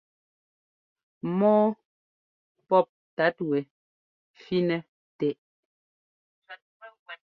Mɔ́ɔ pɔ́p tát wɛ fí-nɛ tɛʼ.